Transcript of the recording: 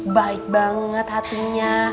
baik banget hatinya